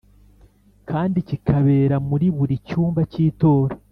kandi kikabera muri buri cyumba cy,itora